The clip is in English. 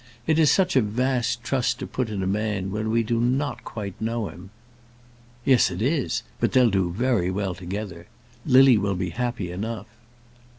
It is such a vast trust to put in a man when we do not quite know him." "Yes, it is; but they'll do very well together. Lily will be happy enough."